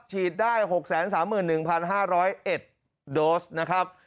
ฉีดได้๖๓๑๕๐๑โดสนะครับ